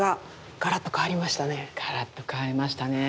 ガラッと変わりましたねえ。